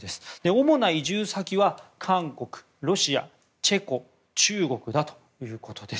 主な移住先は韓国、ロシアチェコ、中国だということです。